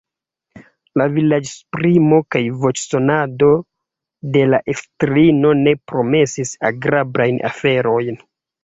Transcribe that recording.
La vizaĝesprimo kaj voĉsonado de la estrino ne promesis agrablajn aferojn.